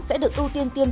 sẽ được ưu tiên tiêm